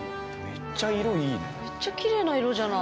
めっちゃきれいな色じゃない。